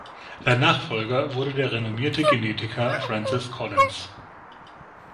Sein Nachfolger wurde der renommierte Genetiker Francis Collins.